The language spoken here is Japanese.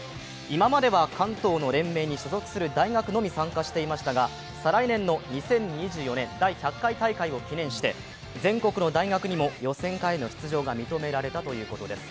今までは関東の連盟に所属する大学のみ参加していましたが再来年の２０２４年、第１００回大会を記念して全国の大学へも予選会への出場が認められたということです。